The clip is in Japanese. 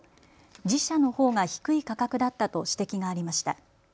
自社のほうが低い価格だったと指摘がありました。